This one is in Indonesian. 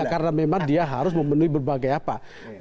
karena memang dia harus memenuhi berbagai apa